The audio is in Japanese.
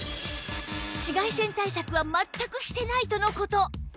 紫外線対策は全くしていないとの事